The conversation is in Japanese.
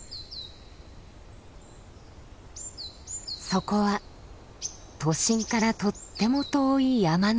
そこは都心からとっても遠い山の中。